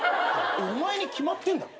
お前に決まってんだろ。